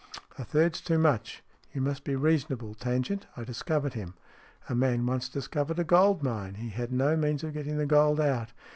" A third's too much. You must be reasonable, Tangent. I discovered him." " A man once discovered a gold mine. He had no means of getting the gold out.